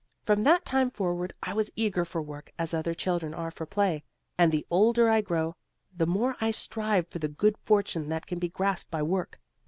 From that time forward I was eager for work as other children are for play, and the older I grow, the more I strive for the good fortune that can be grasped by work.